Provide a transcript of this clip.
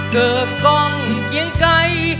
เกิดกล้องเกียงไกล